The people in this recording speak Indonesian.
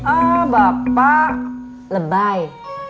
oh bapak lebay